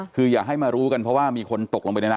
คืออย่าให้มารู้กันเพราะว่ามีคนตกลงไปในน้ำ